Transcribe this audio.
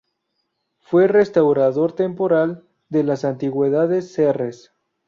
Fue restaurador temporal de las antigüedades Serres.